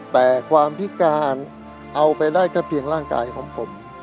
แต่ความพิการเอาไปได้แค่เพียงร่างกายของผม